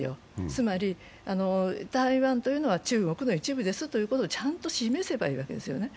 つまり台湾というのは中国の一部ですということをちゃんと示せばいいわけですよね。